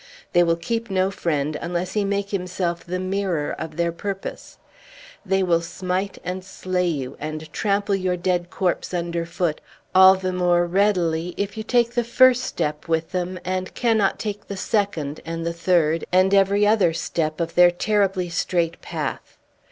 They will keep no friend, unless he make himself the mirror of their purpose; they will smite and slay you, and trample your dead corpse under foot, all the more readily, if you take the first step with them, and cannot take the second, and the third, and every other step of their terribly strait path.